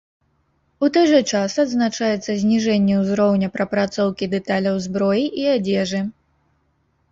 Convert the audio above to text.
У той жа час адзначаецца зніжэнне ўзроўня прапрацоўкі дэталяў зброі і адзежы.